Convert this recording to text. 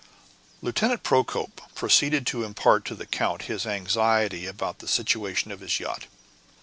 Lieutenant Procope proceeded to impart to the count his anxiety about the situation of his yacht.